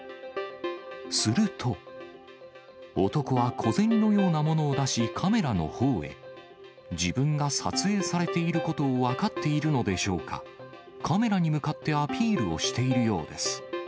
すると、男は小銭のようなものを出し、カメラのほうへ。自分が撮影されていることを分かっているのでしょうか、カメラに向かってアピールをしているようです。